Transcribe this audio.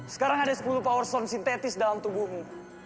sekarang ada sepuluh power stone sintetis dalam tubuhmu